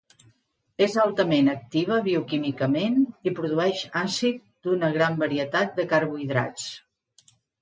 És altament activa bioquímicament, i produeix àcid d'una gran varietat de carbohidrats.